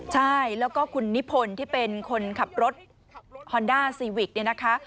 ใช่แล้วก็คุณนิพนธ์ที่เป็นคนขับรถฮอนด้าซีวิกเนี่ยนะคะ